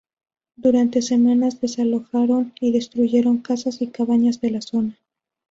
Durante semanas desalojaron y destruyeron casas y cabañas de la zona.